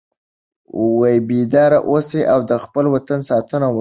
بیدار اوسئ او د خپل وطن ساتنه وکړئ.